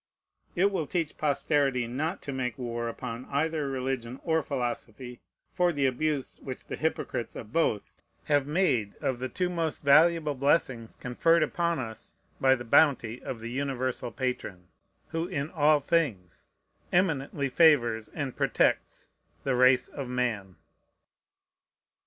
It will teach posterity not to make war upon either religion or philosophy for the abuse which the hypocrites of both have made of the two most valuable blessings conferred upon us by the bounty of the universal Patron, who in all things eminently favors and protects the race of man.